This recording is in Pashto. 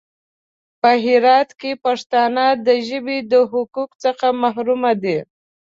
په هرات کې پښتانه د ژبې د حقوقو څخه محروم دي.